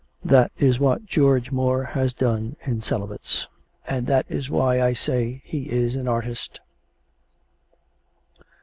That is what George Moore has done in "Celibates" and that is why I say he is an artist.